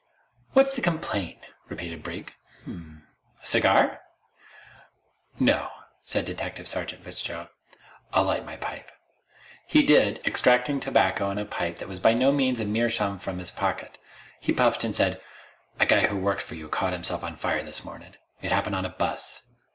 "What's the complaint?" repeated Brink. "Hm m m. A cigar?" "No," said Detective Sergeant Fitzgerald. "I'll light my pipe." He did, extracting tobacco and a pipe that was by no means a meerschaum from his pocket. He puffed and said: "A guy who works for you caught himself on fire this mornin'. It happened on a bus.